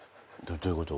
どういうこと？